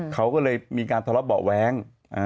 เขาก็เลยมีการทรลัพย์เบาะแว้ง